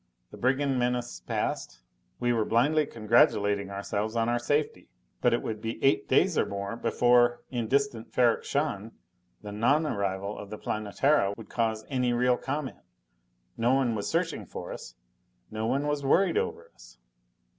The brigand menace past? We were blindly congratulating ourselves on our safety! But it would be eight days or more before in distant Ferrok Shahn the nonarrival of the Planetara would cause any real comment. No one was searching for us no one was worried over us.